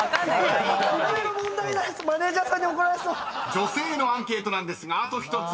［女性へのアンケートなんですがあと１つ。